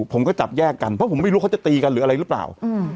ผมก็จับแยกกันเพราะผมไม่รู้เขาจะตีกันหรืออะไรหรือเปล่า